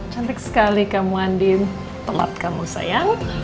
cantik sekali kamu andi telat kamu sayang